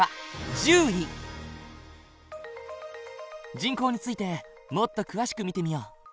人口についてもっと詳しく見てみよう。